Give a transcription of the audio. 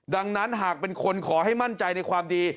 ดังนั้นหากเป็นคนขอให้มั่นใจในความดี